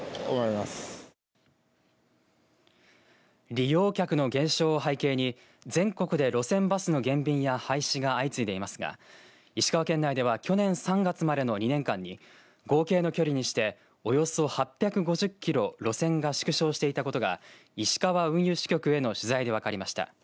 利用客の減少を背景に全国で路線バスの減便や廃止が相次いでいますが石川県内では去年３月までの２年間に合計の距離にしておよそ８５０キロ路線が縮小していたことが石川運輸支局への取材で分かりました。